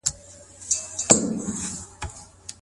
صحابي ولي الله تعالی ته د توبې کلمې وويلې؟